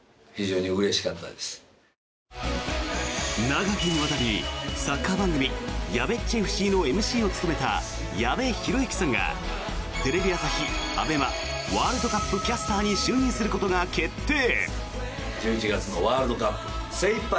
長きにわたり、サッカー番組「やべっちＦ．Ｃ．」のＭＣを務めた矢部浩之さんがテレビ朝日・ＡＢＥＭＡワールドカップキャスターに就任することが決定。